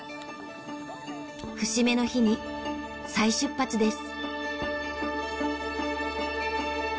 節目の日に再出発です。